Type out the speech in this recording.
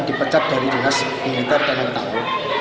dipecat dari dinas militer dan yang tahu